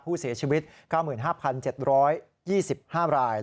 ผู้เสียชีวิต๙๕๗๒๕ราย